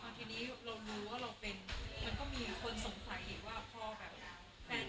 แฟนพี่ครอบครัวพี่สรุปแล้วตรวจแล้วเนี่ยก็คือ